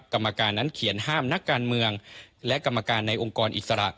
กรรมการนั้นเขียนห้ามนักการเมืองและกรรมการในองค์กรอิสระ